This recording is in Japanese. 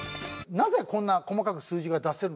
なぜこんな細かく数字が出せるのか？